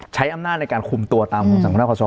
ใช้อำนาจในการคุมตัวตามคำสั่งคณะคอสช